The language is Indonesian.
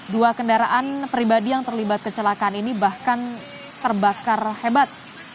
dua kendaraan pribadi yang terlibat kecelakaan ini bahkan terbakar hebat